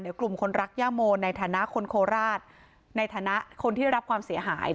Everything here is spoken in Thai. กลุ่มคนรักย่าโมในฐานะคนโคราชในฐานะคนที่รับความเสียหาย